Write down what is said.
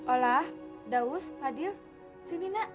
olah daus fadil sini nak